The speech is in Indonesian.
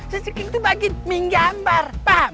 si cekin tuh bagi minjam bar